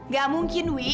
gak mungkin wi